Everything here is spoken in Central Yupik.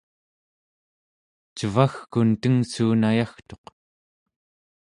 cevagkun tengssuun ayagtuq